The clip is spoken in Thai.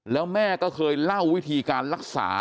แล้วแม่ก็เคยเล่าวิธีการรักษา